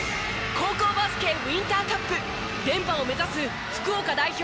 高校バスケウインターカップ連覇を目指す福岡代表